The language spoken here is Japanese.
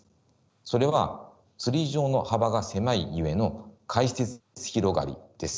それはツリー状の幅が狭いゆえの回折広がりです。